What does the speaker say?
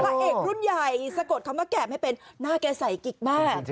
พระเอกรุ่นใหญ่สะกดคำว่าแกะไม่เป็นหน้าแกใส่กิ๊กมาก